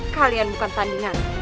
kalian bukan tandingan